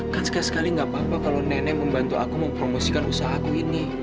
kan sekali sekali nggak apa apa kalau nenek membantu aku mempromosikan usaha aku ini